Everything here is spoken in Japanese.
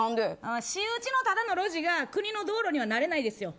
私有地のただの路地が国の道路には、なれないです。